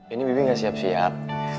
ini bibi nggak siap siap